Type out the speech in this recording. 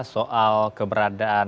soal keberadaan dari mobil listrik